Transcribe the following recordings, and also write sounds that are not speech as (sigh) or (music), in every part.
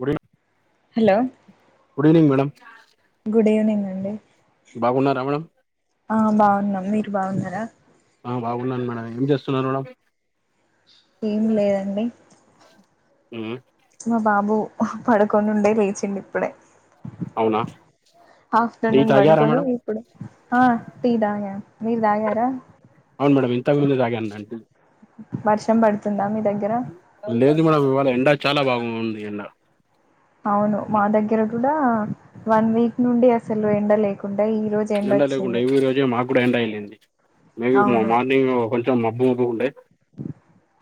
Good evening hello good evening madam good evening అండి బాగున్నారా madam ఆ బావున్నాం మీరు బావున్నారా ఆ బాగున్నాను మేడం ఏమి చేస్తున్నారు మేడం ఏమి లేదండి హ్మ్ మా బాబు హ్ పడుకొని ఉండే లేచిండు ఇప్పుడే అవునా టీ ఆఫ్టర్నూన్ తాగారా వండుకొని మేడం ప్పుడే ఆ టీ తాగా మీరు తాగారా అవును మేడం ఇంతకు ముందే తాగాను మేమ్ వర్షం పడుతుందా మీ దగ్గర లేదు మేడమ్ ఇవాళ ఎండ చాలా బాగ ఉంది ఎండ అవును మా ఉమ్, దగ్గర కూడా వన్ వీక్ నుండి అసలు ఎండ లేకుండే ఈ రోజు ఎండ లేకుండే ఈ రోజే మాక్కూడా ఎండ తగిలింది మేబీ మ అవును మార్నింగ్ అం తా మబ్బు మబ్బుగుండే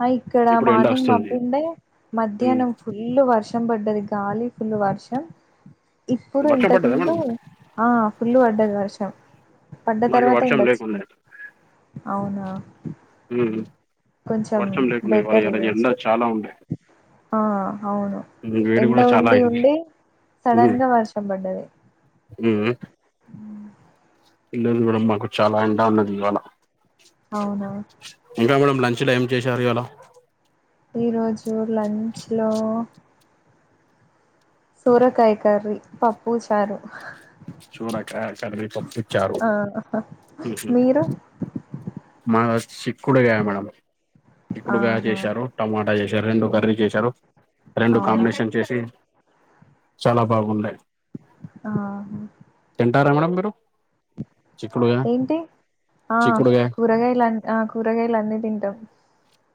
హా ఇక్కడ మార్నింగ్ మబ్బు ఉండే మ్మ్ మధ్యాహ్నం ఫుల్ల్ వర్షం పడ్డది గాలి ఫుల్ల్ వర్షం ఇప్పుడు వర్షం ఇంతకు పడ్డదా మేడం ముందు ఆ ఫుల్ల్ పడ్డది వర్షం పడ్డ మాకు తర్వాత వర్షం ఎండ లేకుండే వచ్చింది అవునా హ్మ్ కొంచెం వర్షం లేకుండే ఇవాళ బెటర్ ఈడ ఈరోజు ఎండా చాలా ఉంది ఆ హవును ఎండ చాలా ఉండి అయింది ఉండి సడన్ గా వర్షం పడ్డది హ్మ్ లేదు మేడమ్ మాకు చాలా ఎండా ఉన్నది ఇవాళ అవునా ఇంకా మేడం లంచ్ లో ఏం చేశారు ఇయాల ఈ రోజు లంచ్ లో సోరకాయ కర్రీ పప్పు చారు సూరకాయ కర్రీ పప్పు ఇచ్చారు ఆ హా మీరు మాద్ సిక్కుడుగాయ మేడం చిక్కుడుగాయ ఆహా చేశారు టమాటా చేసారు రెండు కర్రీ చేశారు రెండు అవునా కాంబినేషన్ చేసి చాలా బాగుండాయ్ ఆహా తింటారా మేడం మీరు చిక్కుడుగ చిక్కుడుగాయ్ కూరగాలంతా ఆ కూరగాయలు అన్నీ తింటాం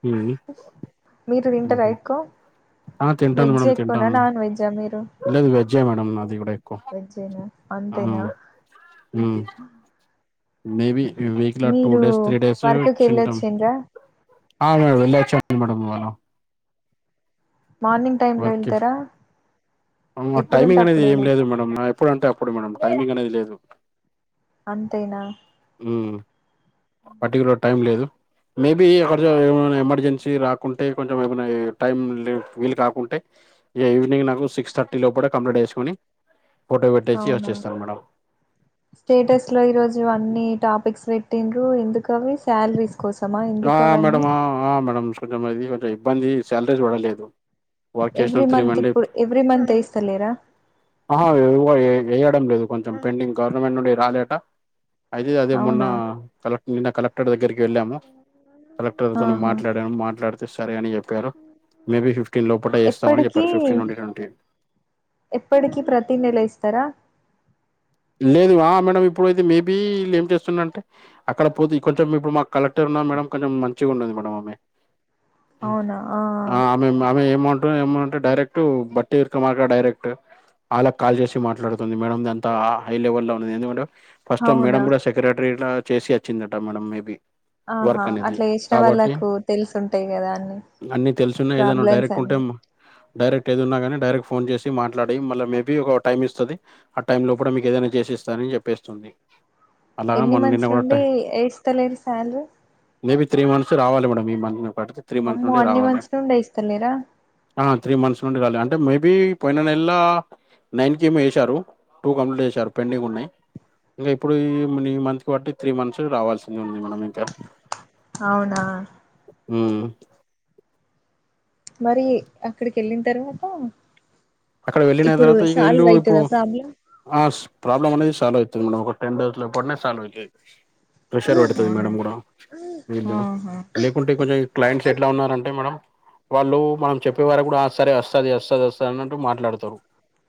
ఉమ్. మీరు ఉమ్. తింటారా ఎక్కువ ఆ తింటాను వెజ్ మేడంమ్ ఎక్కువనా తింటాను నాన్ వెజ్జా మీరు లేదు వెజ్జే మేడమ్ నాది కూడె వెజ్జేనా హ్మ్ అంతేనా హ్మ్ మేబీ వీక్ల టూ మీరు డేస్ త్రీ డేస్ వర్క్ కి తింటాం వెళ్ళొచ్చిండ్రా ఆ మేడం వెళ్ళొచ్చాము మేడమ్ వారం మార్నింగ్ టైమ్ లో వెళ్తారా ఆ ఎప్పుడుంటే టైమింగ్ అనేది ఏం అప్పుడేనా లేదు మేడం ఎప్పుడు అంటే అప్పుడు మేడం టైమింగ్ అనేది లేదు అంతేనా మ్మ్ పర్టికులర్ టైం లేదు మేబి (inaudible) ఏమనా ఎమర్జెన్సీ రాకుంటే కొంచెం ఏమైనా టైం (unintelligible) వీలు కాకుంటే ఈవినింగ్ నాకు సిక్స్ థర్టీ లో కూడా కంప్లీట్ చేసుకొని ఫోటో పెట్టేసి అవునా వచ్చేస్తాను మేడం స్టేటస్ లో ఈరోజు అన్ని టాపిక్స్ పెట్టిన్రు ఎందుకవి శాలరీస్ కోసమ ఆ మేడం ఆ ఆ మేడం కొంచెం అది కొంచెం ఇబ్బంది సాలరీస్ పడలేదు వర్క్ చేసిన ఎవ్రీ త్రీ మంత్ ఇప్పుడు ఎవ్రీ మంత్ యేస్తలేరా ఆహా (unintelligible) వేయడం లేదు కొంచెం పెండింగ్ గవర్నమెంట్ నుండి రాలేట అయితే అదే మొన్న అవునా కలెక్ర్ నిన్న కలెక్టర్ దగ్గరికి వెళ్ళాము కలెక్టర్తో ఆహా మాట్లాడాను మాట్లాడితే సరే అని చెప్ ప్పారు మేబీ ఫిఫ్టీన్ లోపట వేస్తామని ఎప్పటికి చెప్పారు ఫిఫ్టీన్ నుండి ట్వంటీ ఎప్పటికిీ ప్రతీ నెల ఇస్తారా లేదు ఆ మేడం ఇప్పుడయితే మేబీ ఏం చేస్తున్నా అంటే అక్కడ పోతే కొంచెం ఇప్పుడు మా కలెక్టర్ ఉన్నరూ మేడం కొంచెం మంచిగా ఉండంది మేడం ఆమె ఆ మే మామే ఏమౌంట్ ఏమౌంట్ డైరెక్ట్ బట్టి ఇక మాక డైరెక్ట్ వాళ్ళకి కాల్ చేసి మాట్లాడుతుంది మేడం దంతా హై లెవెల్ల్లో ఉన్నది ఎందుకంటే ఫస్ట్ మేడం అవునా కూడా సెక్రటరీ ఇట్ల చేసి వచ్చిందట మేడం మేబీ వర్క్ ఆహా అనేది. అట్లా చేసిన వాళ్ళకు తెలుసుంటాయి కదా అన్ని అన్ని తెలుసున్నాయి ఏదైనా ప్రాబ్లమ్స్ డైరెక్ట్ అన్ని ఉంటేం డైరెక్ట్ ఏది ఉన్నాగానీ డైరెక్ట్ ఫోన్ చేసి మాట్లాడి మళ్ళ మేబీ ఒక టైం ఇస్తది ఆ టైమ్ లో కూడా మీకు ఏదనా చేసిస్తానని చెప్పేస్తుంది ఎన్ని మంత్స్ నుండి ఎయిస్తలేరు శాలరీ మేబీ త్రీ మంత్స్ రావాలి మేడం ఈ మంత్ ఒకటికి అమ్మో అన్ని మంత్స్ నుండి ఏస్తలేరా ఆ త్రీ మంత్స్ నుండి రాలే అంటే మేబి పోయిన నెల నైన్ కి ఏమి ఏసారు టూ కంప్లీట్ చేసారు పెండింగ్ ఉన్నాయి ఇంగ ఇప్పుడు ఈ ఈ మంత్ కు బట్టి త్రీ మంత్స్ రావాల్సింది ఉంది మనం ఇంకా అవునా మ్మ్ మరి అక్కడికి వెళ్ళిన తర్వాత అక్కడ వెళ్ళిన ఇప్పుడు తర్వాత ఇగ ఇల్లు సాల్వ్ ఇప్పుడు అయితదా ప్రాబ్లం ఆ ప్రాబ్లమ్ అనేది సాల్వ్ అయితది మేడం ఒక టెన్ డేస్ లో పడినే సాలరీ అయితది ప్రెషర్ పెడుతది అవునా మేడం కూడా (unintelligible) ఆహా లేకుంటే కొంచెం క్లయింట్స్ ఎట్ల ఉన్నారంటే మేడం వాళ్ళు మనం చెప్పే వరకు కూడా ఆ సరే వస్తది వస్తది వస్తది అన్న ట్టు మాట్లాడతారు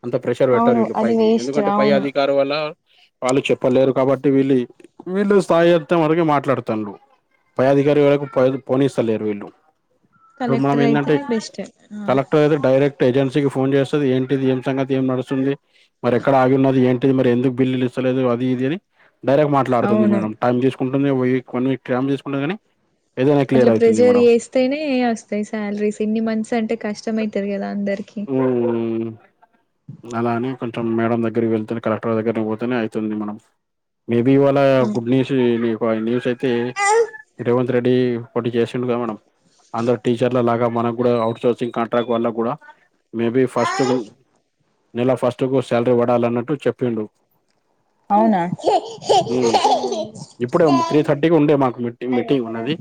అంత ప్రెషర్ పెట్టరు అవును ఇట్ల అది పైకి వేస్ట్ ఎందుకంటే పై అవును అధికార్ వల్ల వాళ్ళు చెప్పలేరు కాబట్టి వీళ్ళ చెప్ వీళ్ళు సాయత్తం వరకే మాట్లాడుతండ్రు పై అధికారి వరకు పో పోనిస్తలు లేరు వీళ్ళు ఇప్పుడు మేడం కలెక్టర్ ఏంటంటే అయితేనే బెస్ట్ ఆ కలెక్టర్ అయితే డైరెక్ట్ ఏజెన్సీకి ఫోన్ చేస్తది ఏంటిది ఏం సంగతి ఏం నడుస్తుంది మరి ఎక్కడ ఆగిన్నది ఏంటిది మరి ఎందుకు బిల్లులు ఇస్తలేదు అది ఇది అని డైరెక్ట్ మాట్లాడుతుంది అవును మేడం టైం చేసుకుంటుంది వక్ వన్ వీక్ టై చేసుకుంటుంది కానీ ఏదైనా అట్లా క్లియర్ అవుతుంది ప్రెజర్ మేడం చేస్తేనే వస్తాయి సాలరీస్ ఇన్ని మంత్స్ అంటే కష్టం అయితది కదా అందరికి అలానే కొంచెం మేడం దగ్గరకి వెళ్తే కలెక్టర్ దగ్గర పోతే అవుతుంది మనం మేబి ఇవాళ గుడ్ న్యూస్ న్యూస్ అయితే ఇడి పోటీ చేసిండు గా మేడం అందరు టీచర్ల లాగా మనం కూడా ఔట్సోర్సింగ్ కాంట్రాక్ట్ వల్ల కూడా మేబి ఫస్ట్ నెలా ఫస్ట్ కు శాలరీ పడాలన్నట్టు చెప్పిండు అవునా ఉమ్ ఇప్పుడే త్రీ థర్టీకి ఉండే మాకు మీటి మీటింగ్ ఉన్నది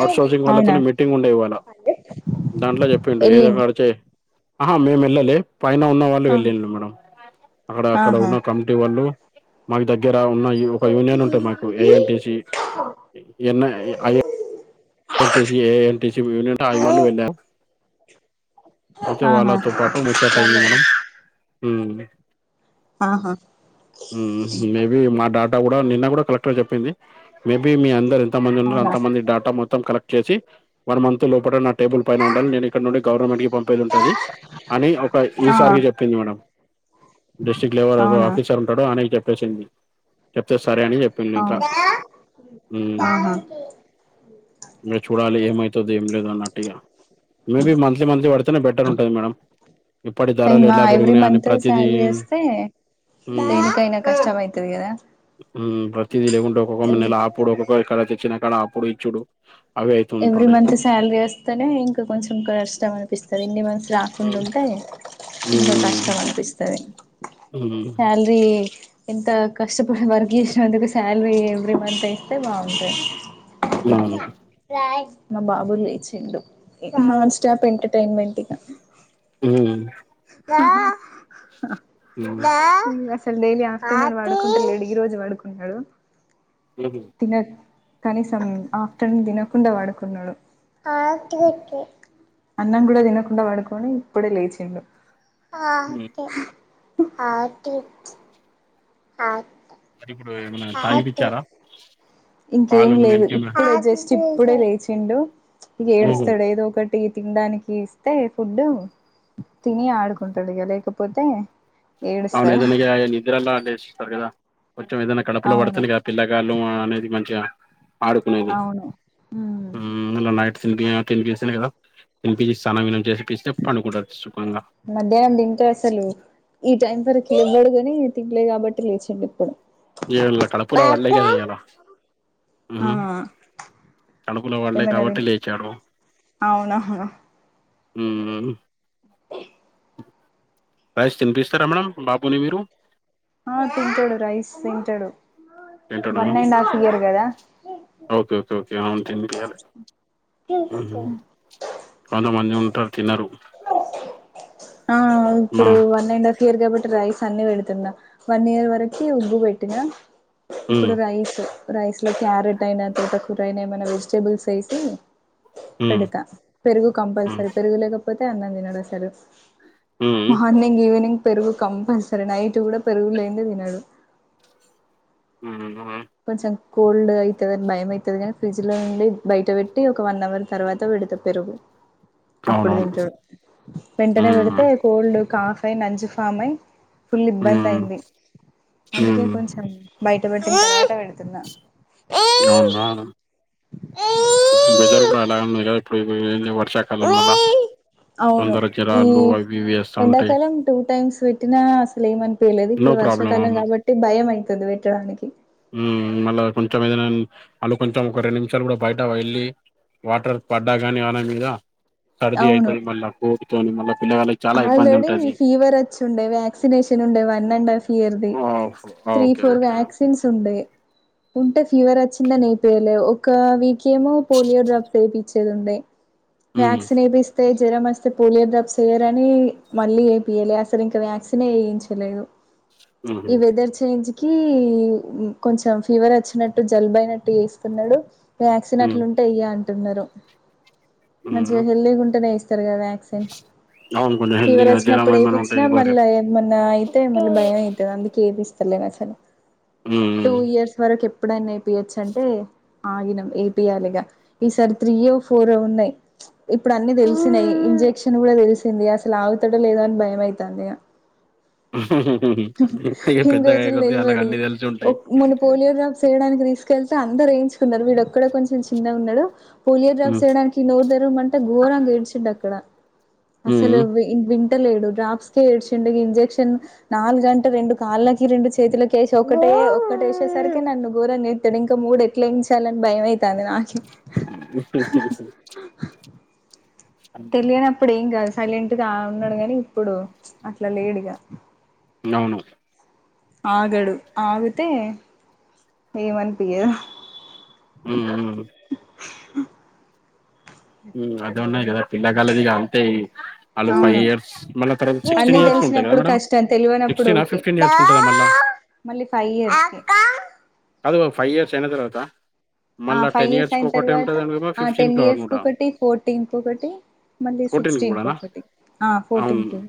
అఔట్సోర్సింగ్ అవునా వళ్లతోనే మీటింగ్ ఉండే ఇవాళ దాంట్లో చెప్పిండు ఏదో ఒక ఎల్లింది అడిచాయి ఆహా మేము వెళ్ళలే పైన ఉన్న వాళ్ళు ఆ వెళ్ళిళ్ళు మేడమ్ అక్కడ అక్కడ ఆహా ఉన్న కమిటీ వాళ్ళు మా దగ్గర ఉన్న ఒక యూనియన్ ఉంటాయి మాకు ANTC NI NTC A NTC union ఆగిళ్ళు వెళ్ళాారు అయితే ఆహా వాళ్ళతో పాటు ముచ్చట అయింది మేడమ్ ఉమ్ ఆహా మా డేటా కూడా నిన్న కూడా కలెక్టర్ చెప్పింది మేబీ మీ అందరు ఎంతమంది ఉన్నారు అవునా అంతమంది డేటా మొత్తం మొత్త కలెక్ట్ చేసి వన్ మంత్ లోపల నా టేబుల్ పైన ఉండాలి నేను ఇక్కడ నుండి గవర్నమెంట్ కి పంపేది ఉంటది అని ఒక ఆ ఈసారికి చెప్పింది మేడం డిస్ట్రిక్ట్ లెవల్ ఒక అవునా ఆఫీసర్ ఉంటాడు ఆయానేకి చెప్పేసింది చెప్తే సరే అని చెప్పింది ఇంకా అవును ఆహా ఇక చూడాలి ఏమవుతది ఏం లేదు అన్నట్టుగా మేబీ మంత్లీ మంత్లీ పడితేనే బెటర్ ఉంటుంది మేడం ఇప్పటి ధరలు అయ్మా ఎలా ఎవ్రీ పెరిగునాయని మంత్ ప్రతిదీ శాలరీ వస్తే దేనికైనా కష్టం అయితది కదా ప్రతిదీ లేకుంటే ఒక్కొక్క మన్న ఎవ్రీ నెలా ఆ ఇప్పుడు ఒక్కొక్క కాడ తెచ్చినకడ అప్పుడు ఇచ్చుడు అవి ఎవ్రీ అయితుంటుంటాయి. మంత్ శాలరీ స్ నే ఇంకా కొంచెం కష్టం అనిపిస్తుంది ఇన్ని మంత్స్ రాకుండా హ్మ్ ఉంటే ఎంతో కష్టం అనిపిస్తది ఉ ఇది ఇంత కష్టపడి వర్క్ చేసినందుకు శాలరీ ఎవ్రీ మంత్ అయితే బాగుంటాది అవును మా బాబులు లేచిండు నాన్ స్టాప్ ఎంటర్టైన్మెంట్ ఇంగ ఉమ్ (inaudible) హ్మ్ అసలు డైలీ ఆఫ్టర్నూన్ పడుకుంటలేడు ఈరోజు పడుకున్నాడు ఉహు తినడు కనీసం ఆఫ్టర్నూన్ తినకుండా పడుకున్నాడు అన్నం కూడా తినకుండా పడుకొని ఇప్పుడే లేచిండు హ్మ్. (inaudible) అది ఇప్పుడు ఏమైనా తాగి పిచ్చారా ఇంకేం లేదు ఇప్పుడే జస్ట్ ఇప్పుడే లేచిండు ఇక హుహు. ఏడుస్తాడు ఏదో ఒకటి ఇవి తినడానికి ఇస్తే ఫుడ్డు తిని ఆడుకుంటాడు ఇక లేకపోతే అవును ఏడుస్తాడు ఏదా నిద్రల్లాల లేచి ఉంటారు కదా కొంచెం ఏదైనా కడుపులో అవును పడితేనే పిల్లగాళ్ళ అనేది మంచిగా ఆడుకునేది అవును ఉ. నైట్ తినిపి తినిపిస్తే కదా తినిించి స్నానం వినం చేసిపిస్తే పండుకూడదు సుఖంగా. మధ్యాహ్నం దింటె అసలు. ఈ టైం వరకు లేవడు గాని తింలే కాబట్టి లేచిండు ఇప్పుడు. ఏళ కడపూల వాడలే గదా ఈయలా ఆ ఊహు. కడుపులో పడలే ఏమైనా కాబట్టి తిన్ లేచాడు. అవునవును ఉహు హు. రైస్ తినిపిస్తామ్ రా బాబుని మీరు. ఆ తింటడు రైస్ తింటడు. తింటాడా ఓకే ఓకే ఓకే అవును తినిపియ్యాలి. కొం (unintelligible) తమంది ఉంటారు తినరు. ఆ మా ఇప్పుడు వన్నైనర్. ఇయర్ కాబట్టి రైస్ అన్ని పెడుతున్నా వన్ ఇయర్ వరకు ఉగ్గు పెట్టినా. ఉమ్ ఇప్పుడు రైస్. రైస్ లో క్యారెట్ అయినా తోట కూరయినా ఏమైనా వెజిటేబుల్స్ వేసి ఉమ్ పెడతా. పెరుగు ఉమ్ కంపల్సరీ పెరుగు లేకపోతే అన్నం తినడు అసలు ఉమ్ మార్నింగ్ ఈవినింగ్. పెరుగు కంపల్సరీ నైట్ కూడా పెరుగు లేనిదే తినడు. ఉ కొంచెం కోల్డ్ అయితాదని భయం అయితది కానీ ఫ్రిడ్జ్ లో నుండి బయట పెట్టి ఒక వన్ అవర్ తర్వాత పెడతా పెరుగు. అప్పుడు అవునవును తింటాడు వెంటనే ఉమ్ పెడితే కోల్డ్ కాఫ్ అయి నంజుపామై. ఫుల్ ఇబ్బంది ఉమ్ అయింది అందుకే ఉమ్ కొంచెం బయటపట్టి. పెడుతున్న. అవునా. ఏ బెదురు కాడ మీరు ఇప్పుడు వర్ష (unintelligible) అవును ఈ జరాలు అవి ఇవి వేస్తా ఉంటాయి ఎండాకాలం టూ టైమ్స్ విట్. ట్టినా అసలు ఏమనిపయలేదు నో ఇప్పుడు ప్రాబ్లం వర్షాకాలం అవును కాబట్టి భయం అయితుంది పెట్టడానికి. ఉ మళ్ళా కొంచెం ఏదైనా వాళ్ళ కొంచెం ఒక రెండు నిమిషాలు కూడా బయట వెళ్ళి. వాటర్ పడ్డా కాని వాళ్ల మీద సర్ది అవును అవుతుది మళ్ళీ కోటుతోని మళ్ళీ పిల్లగాళ్ళకి. చాలా ఇబ్బంది ఆల్రెడీ ఉంటది ఫీవర్ వచ్చి ఉండే వ్యాక్సిన్ వేసీ ఉండే వన్ అండ్ హాఫ్ ఇయర్ది. ఆఫ్కో. త్రీ ఫోర్ వ్యాక్సిన్స్ ఉంటాయి. ఉంటే ఫీవర్ వచ్చిందని ఎయిపియలే ఒక వీక్ ఏమో పోలియో డ్రాప్స్ ఏపించి ఉండే. హ్మ్ వ్యాక్సిన్ ఏపిస్తే ఇస్తే జ్వరం వస్తే పోలియో డ్రాప్స్ ఏయం. ని మళ్ళీ ఏయలే అసలు ఇంకా వ్యాక్సన్ వేయించలేదు. హ్మ్ ఈ వెదర్ చేంజ్. కి కొంచెం ఫీవర్ వచ్చినట్టు జలుబు అయినట్టు వేస్తున్నాడు. వ్యాక్సిన్ హ్మ్ అట్లుంటే వేయ్యా అంటున్నారు హ్మ్ మంచిగా హెల్దీగా ఉంటేనే వేస్తారు కదా వ్యాక్సిన్. సె (inaudible) అవును. కొంచెం ఫీవర్ హెల్దీగా జరం వచ్చినప్పుడు ఏ ఏమైనా పిచ్చినా ఉంటాయి బరి మళ్ళా అయ్. మొన్నా అయితే మన్న భయం అయితాది అందుకే ఏపిస్తలే అసలు టూ హ్మ్ ఇయర్స్ వరకు. ఇప్పుడైనా ఎపించొచు అంటే ఆగినం ఏపీయాలిగా ఈసారి త్రీయో ఫోరో ఉన్నాయి. ఇప్పుడు అన్ని తెలిసినాయి ఇంజెక్షన్ కూడా తెలిసి. వీడు అసలు లాగుతాడో లేదు అని భయం అయితాంది ఇగ ఇక ఇన్ని పెద్దగయ్యే రోజులు కొద్ది ఆళ్ళకి తెలివది అన్ని తెలిసి ఉంటాయి మొన్న పోలియో డ్రాప్స్ చేయడానికి తీసుకెళ్తే అందరు వేయించుకున్నారు. వీడు ఒక్కడే కొంచం చిన్నగా ఉన్నాడు. పోలియోడ్రాప్స్ హ్మ్ వేయడానికి నోరూ తెరవమంటే ఘోరంగా ఏడ్చాడు అక్కడ అసలు హ్మ్ వింటలేడు డ్రాప్స్ కే ఏడ్చిండు ఇ ఇంజెక్షన్ నాలుగుగంట రెండు కాళ్ళకి రెండు చేతులకేసి ఒకటే ఒకటేసేసరికి నన్ను గోరంగా ఇక్కడ ఇంకా మూడు ఎట్లా వేయించాలని భయం అయితంది నాకే వస్త వస్త తెంది (inaudible) అ (inaudible) లేనప్పుడు ఏం కాదు సైలెంట్ గా ఉన్నాడు గాని ఇప్పుడు అట్లా లేడీగా అవును ఆగడు ఆగితే ఏమనిపియాదు హు హూ హమ్ ఆడ ఉన్నాయి (unintelligible) ఆమె ఫైవ్ అవును ఇయర్స్ మళ్ళ తరువాత సిక్స్టీన్ అన్నీ ఇయర్స్ ఉంటాయి కదా తెలిసినప్పుడు మేడమ్ కష్టం తెలివనప్పుడు సిక్స్టీన్ హ ఓకే ఫిఫ్టీన్ ఇయర్స్ ఉంటాదా మళ్ళ మళ్ళీ ఫైవ్ ఇయర్స్ కే కాదు ఫైవ్ ఇయర్స్ అయిన తరువాత ఆ ఫైవ్ ఇయర్స్ అయిన తర్వాత అనుకుంటా ఆ ఫిఫ్టీన్ టెన్ ఇయర్స్ కి అనుకుంటా ఒకటి ఫోర్టీన్ కి ఒకటి మళ్ళీ ఫోర్టీన్ సిక్టీన్ కి కూడానా ఒకటి అవును ఫోర్టీన్ కి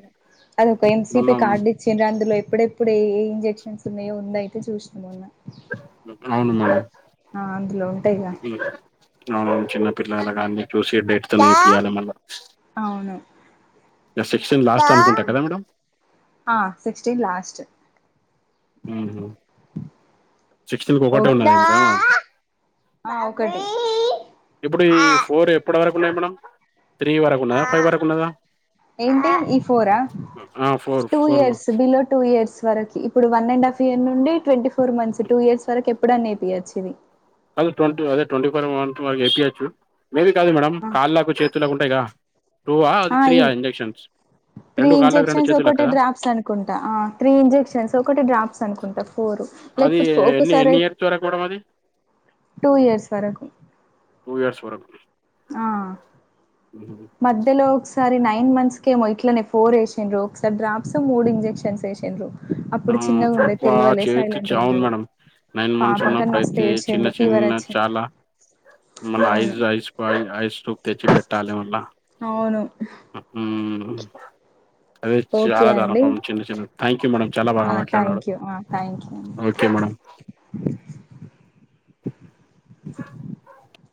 అది ఒక మొన్న ఎంసిపి కార్డ్ యిచ్చిరూ అందులోయిఎప్పుడెప్పుడు ఏ ఇంజెక్షన్స్ ఉన్నాయో ఉంద అయితే చూసినా మొన్న (unintelligible) ఉంటాయి గా హమ్ అవును వ చిన్నపిల్లలగాన్ని చూసి డెట్తో వేపియాలి మళ్ళ అవును సెక్షన్ లాస్ట్ అనుకుంటా కదా మేడం ఆ సిక్స్టీన్ లాస్ట్ ఉహు సిక్స్టీన్ ఒక్కటే ఓకే. ఉన్నది కదా మేడం ఆ ఒకటే ఇప్పుడు ఈ ఫోర్ ఎప్పటి వరకు ఉన్నాయి మేడమ్ త్రీ వరకు ఉన్నదా ఫైవ్ వరకు ఉన్నదా ఏంటి ఈ ఫోరా ఆ four two four years below two years వరకి ఇప్పుడు వన్ అండ్ హఫ్ యియర్ నుండి twenty four months two years వరకు ఎప్పుడు అన్న వేపియోచు ఇది కాదు ట్వంటీ అదే ట్వంటీ ఫోర్ ఎయివచ్చు మేబీ కాదు మేడం కాల్కు చేతు తుల ఉంటాయి గా టూవా అది ఆ త్రీయా ఇవ్ ఇంజెక్షన్స్ రెండు కాళ్ళకి రెండు చేతులకు కదా కుంటా త్రీ ఇంజెక్షన్స్ ఒకటి డ్రాప్స్ అనుకుంటా ఫోర్ అది లేకపోతే ఎన్ని ఒక్కసారి ఎన్ని ఇయర్స్ చూరకపోవడం అది టూ ఇయర్స్ వరకు టూ ఇయర్స్ వరకు ఆ హుహు. మధ్యలో ఒకసారి నైన్ మంత్స్కి ఏమో ఇట్లనే ఫోర్ వేసిండ్రు ఒకసారి డ్రాప్స్ మూడు ఇంజెక్షన్స్ వేసిండ్రు ఆ అప్పుడు చిన్నగా ఉండే త తెల్వలే చేతి సైలెంట్ గా చావుంది ఉన్నాడు మేడంమ్ నైన్ మంత్స్ పాపం కాని మస్తు ఉన్నప్పుడుయితే చిన్న ఏడ్చిండు ఫీవర్ చిన్న వచ్చింది చాలా మళ అవును ఐస్ ఐస్ ఆ ఐస్ క్యూబ్ తెచ్చి పెట్టాల మల్లా అవును హుమ్ అదే ఓకే చాలాదార అండి చిన్న చిన్న థ్యాంక్యూ ఆ థ్యాంక్ యూ ఆ థ్యాంక్ యూ అండి ఓకే మేడమ్